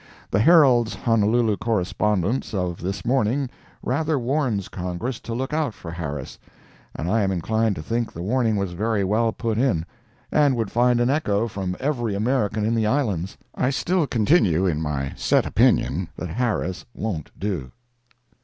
The Herald's Honolulu correspondence of this morning rather warns Congress to look out for Harris, and I am inclined to think the warning was very well put in, and would find an echo from every American in the Islands. I still continue in my set opinion that Harris won't do.